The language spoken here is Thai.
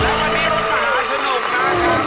และวันนี้รถมหาสนุกนะครับ